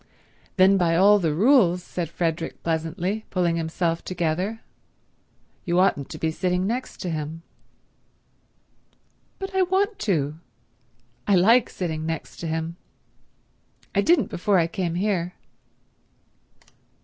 "Then by all the rules," said Frederick pleasantly, pulling himself together, "you oughtn't to be sitting next to him." "But I want to. I like sitting next to him. I didn't before I came here."